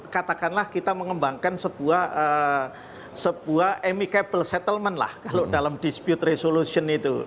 katakanlah kita mengembangkan sebuah amecable settlement lah kalau dalam dispute resolution itu